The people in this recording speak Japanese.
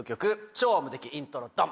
超無敵イントロドン！